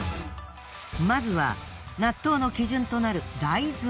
まずは納豆の基準となる。